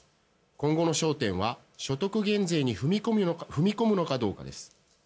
今後の焦点は所得減税に踏み込むのかどうかです。